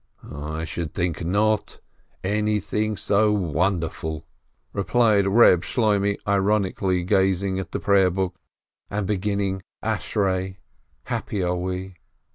"I should think not, anything so wonderful !" replied Reb Shloimeh, ironically, gazing at the prayer book and beginning "Happy are we."